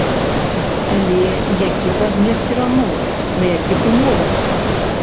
Але які прадмет перамоў, на якіх умовах?